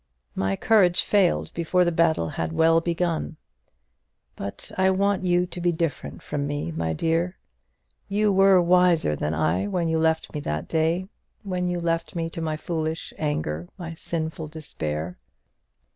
My courage failed before the battle had well begun. But I want you to be different from me, my dear. You were wiser than I when you left me that day; when you left me to my foolish anger, my sinful despair.